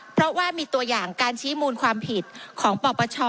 เพราะว่ามีตัวอย่างการชี้มูลความผิดของปปช